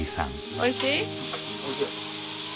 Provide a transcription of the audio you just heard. おいしい。